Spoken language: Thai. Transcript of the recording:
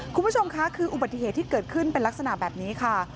คุณผู้ชมค่ะคืออุบัติเหตุที่เกิดขึ้นเป็นลักษณะแบบนี้ค่ะ